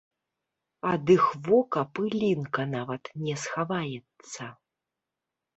Ад іх вока пылінка нават не схаваецца.